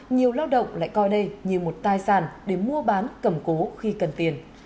nhiều lao động lại coi đây như một tài sản để mua bán cầm cố khi cần tiền